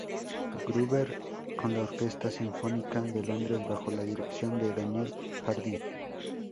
Gruber, con la Orquesta Sinfónica de Londres bajo la dirección de Daniel Harding.